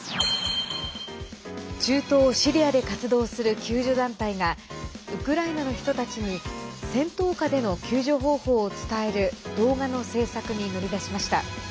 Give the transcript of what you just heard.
中東シリアで活動する救助団体がウクライナの人たちに戦闘下での救助方法を伝える動画の制作に乗り出しました。